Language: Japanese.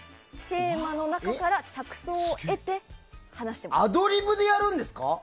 テーマの中から着想を得てアドリブでやるんですか？